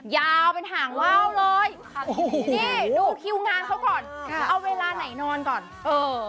ยาวเป็นหางว่าวเลยนี่ดูคิวงานเขาก่อนค่ะเอาเวลาไหนนอนก่อนเออ